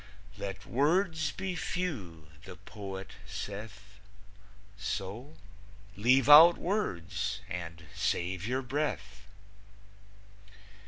"Let words be few," the poet saith, So leave out words and save your breath.